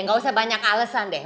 gak usah banyak alesan deh